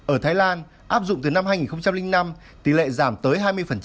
ở thái lan áp dụng từ năm hai nghìn năm tỷ lệ giảm tới hai mươi